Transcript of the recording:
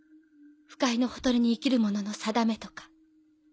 腐海のほとりに生きる者の定めとか。